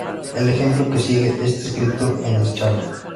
El ejemplo que sigue está escrito en Scheme.